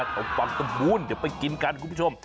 ของปังตำบูนเดี๋ยวไปกินกันคุณผู้ชม